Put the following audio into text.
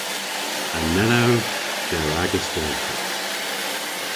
Anellewgh der agas dewfrik.